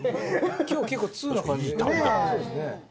「今日は結構通な感じ」